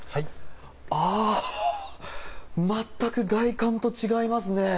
あー、全く外観と違いますね。